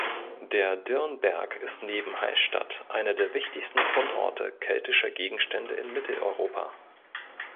Der Dürrnberg ist neben Hallstatt einer der wichtigsten Fundorte keltischer Gegenstände in Mitteleuropa.